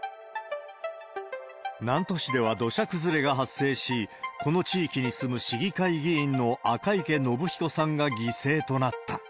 南砺市では土砂崩れが発生し、この地域に住む市議会議員の赤池伸彦さんが犠牲となった。